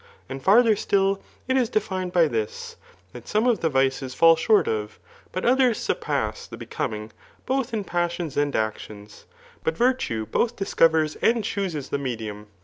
And farther still, it is defined by this, that some of the vices fell short of, but others surpass the becoming, both in passions and actions, but virtue both discovers and chooses the medium.